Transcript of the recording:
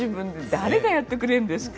誰がやってくれるんですか。